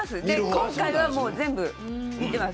今回は全部見てます。